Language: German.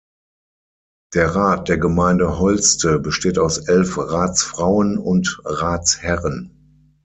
Der Rat der Gemeinde Holste besteht aus elf Ratsfrauen und Ratsherren.